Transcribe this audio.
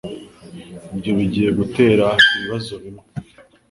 Ibyo bigiye gutera ibibazo bimwe.